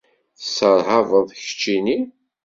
Tesserhabeḍ, keččini!